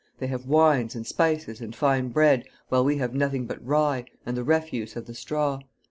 They have wines, and spices, and fine bread, while we have nothing but rye, and the refuse of the straw.